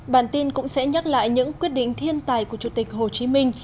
bản tin cũng sẽ nhắc lại những quyết định thiên tài của chủ tịch hồ chí minh